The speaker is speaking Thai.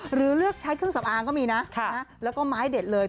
หรือเลือกใช้เครื่องสำอางก็มีนะแล้วก็ไม้เด็ดเลย